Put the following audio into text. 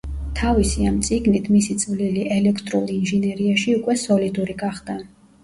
თავისი ამ წიგნით მისი წვლილი ელექტრულ ინჟინერიაში უკვე სოლიდური გახდა.